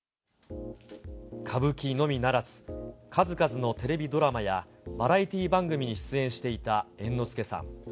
歌舞伎のみならず、数々のテレビドラマやバラエティ番組に出演していた猿之助さん。